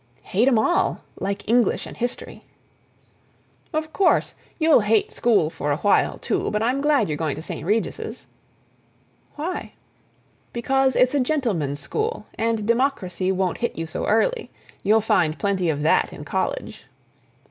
"Hate 'em all. Like English and history." "Of course. You'll hate school for a while, too, but I'm glad you're going to St. Regis's." "Why?" "Because it's a gentleman's school, and democracy won't hit you so early. You'll find plenty of that in college."